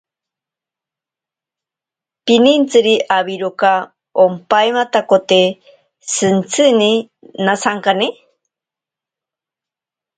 Pinintsiri awiroka ompaimatakote shintsine nasankane.